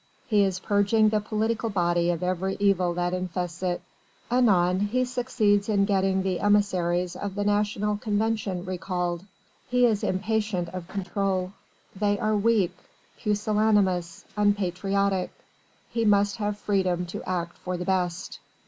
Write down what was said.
he is purging the political body of every evil that infests it." Anon he succeeds in getting the emissaries of the National Convention recalled. He is impatient of control. "They are weak, pusillanimous, unpatriotic! He must have freedom to act for the best."